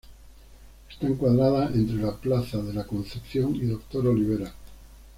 Está encuadrada entre las plazas de La Concepción y Doctor Olivera.